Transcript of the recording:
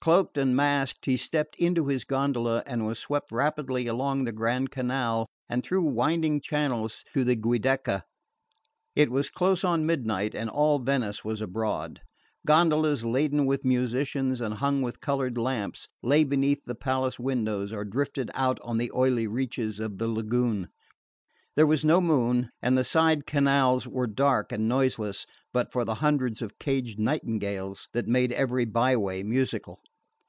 Cloaked and masked, he stepped into his gondola and was swept rapidly along the Grand Canal and through winding channels to the Giudecca. It was close on midnight and all Venice was abroad. Gondolas laden with musicians and hung with coloured lamps lay beneath the palace windows or drifted out on the oily reaches of the lagoon. There was no moon, and the side canals were dark and noiseless but for the hundreds of caged nightingales that made every byway musical.